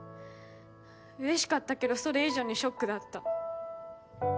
うれしかったけどそれ以上にショックだった。